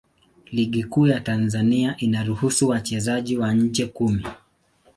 Ligi Kuu ya Tanzania inaruhusu wachezaji wa nje kumi.